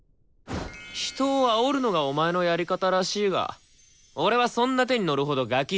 人をあおるのがお前のやり方らしいが俺はそんな手に乗るほどガキじゃない。